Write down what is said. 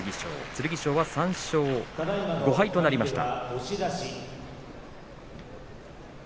剣翔は３勝５敗となりました。